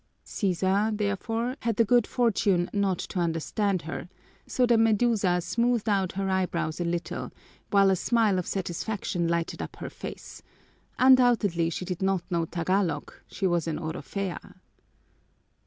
Sisa, therefore, had the good fortune not to understand her, so the Medusa smoothed out her eyebrows a little, while a smile of satisfaction lighted up her face; undoubtedly she did not know Tagalog, she was an _orofea!